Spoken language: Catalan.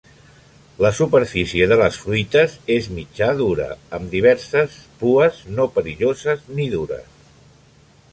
La superfície de les fruites és mitjà dura, amb diverses pues no perilloses ni dures.